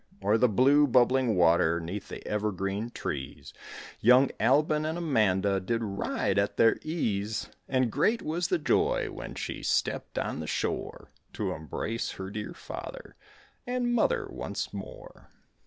O'er the blue, bubbling water, Neath the evergreen trees, Young Albon and Amanda Did ride at their ease; And great was the joy When she stepped on the shore To embrace her dear father And mother once more.